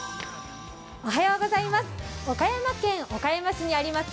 岡山県岡山市にあります